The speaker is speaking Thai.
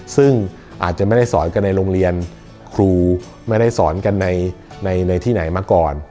ซึ่งอาจจะไม่ได้สอนกันในโรงเรียนครูไม่ได้สอนกันในที่ไหนมาก่อน